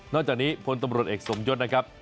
จากนี้พลตำรวจเอกสมยศนะครับ